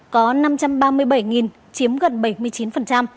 có năm trăm ba mươi bảy chiếm gần bảy mươi chín